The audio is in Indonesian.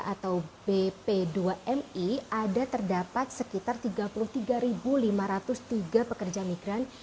atau bp dua mi ada terdapat sekitar tiga puluh tiga lima ratus tiga pekerja migran